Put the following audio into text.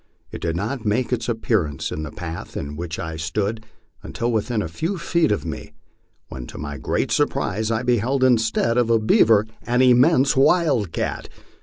It did not make its appearance in the path in which I stood until within a few feet of me, when to my great surprise I beheld instead of a beaver an immense wildcat.